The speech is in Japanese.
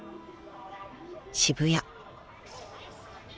［渋谷］